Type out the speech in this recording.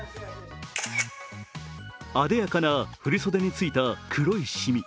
あでやかな振り袖についた黒いしみ。